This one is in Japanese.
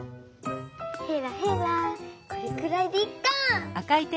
へらへらこれくらいでいっか。